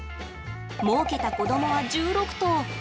もうけたこどもは１６頭。